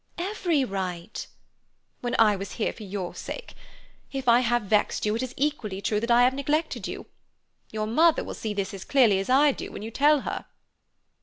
"Every right." "When I was here for your sake? If I have vexed you it is equally true that I have neglected you. Your mother will see this as clearly as I do, when you tell her."